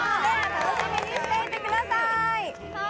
楽しみにしていてください。